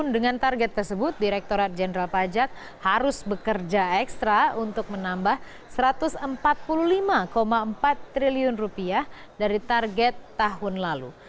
dengan target tersebut direkturat jenderal pajak harus bekerja ekstra untuk menambah rp satu ratus empat puluh lima empat triliun dari target tahun lalu